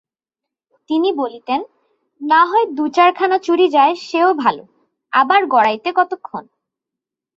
তিনি বলিতেন, নাহয় দু-চারখানা চুরি যায় সেও ভালো, আবার গড়াইতে কতক্ষণ।